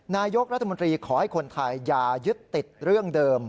นายกรัฐมนตรีขอให้คนไทยอย่ายึดติดเรื่องเดิม